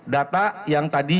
data yang tadi